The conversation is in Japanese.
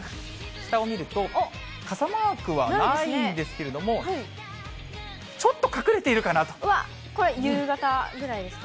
北を見ると、傘マークはないんですけれども、ちょっと隠れているうわ、これ夕方ぐらいですか？